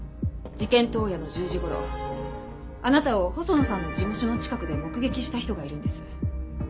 事件当夜の１０時頃あなたを細野さんの事務所の近くで目撃した人がいるんです。